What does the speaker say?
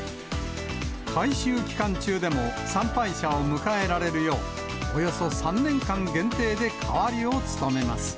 改修期間中でも参拝者を迎えられるよう、およそ３年間限定で代わりを務めます。